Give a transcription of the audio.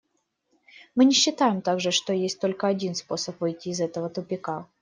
Мы не считаем также, что есть только один способ выйти из этого тупика.